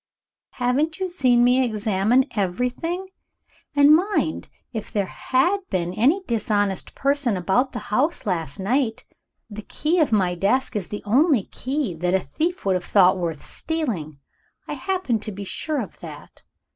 "Haven't you seen me examine everything? And mind, if there had been any dishonest person about the house last night, the key of my desk is the only key that a thief would have thought worth stealing. I happen to be sure of that.